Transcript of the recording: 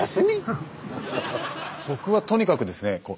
僕はとにかくですねああそう。